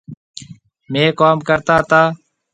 ميه ڪوم ڪرتا تا